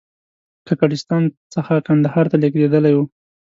کاکړستان څخه کندهار ته لېږدېدلی و.